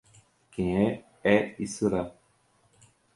Quem é, é e será.